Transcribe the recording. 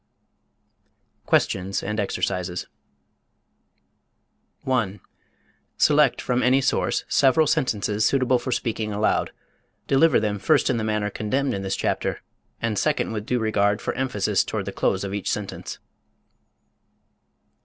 QUESTIONS AND EXERCISES 1. Select from any source several sentences suitable for speaking aloud; deliver them first in the manner condemned in this chapter, and second with due regard for emphasis toward the close of each sentence.